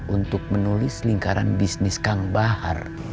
untuk menulis lingkaran bisnis kang bahar